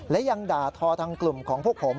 และยังด่าทอทางกลุ่มของพวกผม